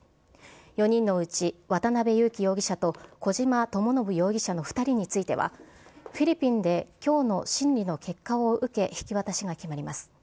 ４人のうち渡辺優樹容疑者と、小島智信容疑者の２人については、フィリピンできょうの審理の結果を受け、引き渡しが決まります。